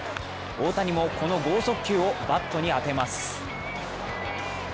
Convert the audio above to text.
大谷もこの剛速球をバットに当てます。